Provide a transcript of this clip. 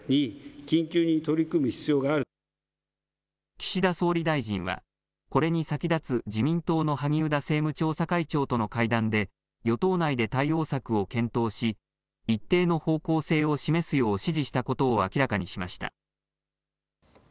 岸田総理大臣は、これに先立つ自民党の萩生田政務調査会長との会談で与党内で対応策を検討し一定の方向性を示すよう指示したことを明らかにしました。